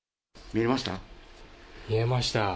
見えました？